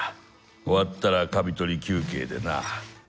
終わったらカビ取り休憩でな。